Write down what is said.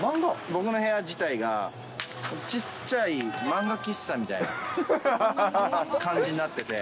僕の部屋自体が、ちっちゃい漫画喫茶みたいな感じになってて。